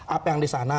apa yang di sana